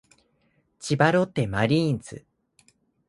千葉ロッテマリーンズ